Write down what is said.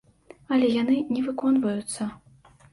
Але яны не выконваюцца.